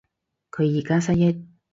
佢而家失憶